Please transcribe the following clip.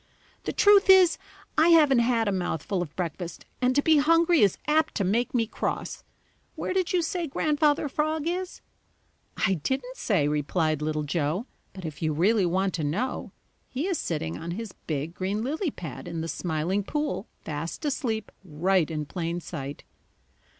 "The truth is, I haven't had a mouthful of breakfast and to be hungry is apt to make me cross. Where did you say Grandfather Frog is?" "I didn't say," replied Little Joe, "but if you really want to know, he is sitting on his big green lily pad in the Smiling Pool fast asleep right in plain sight."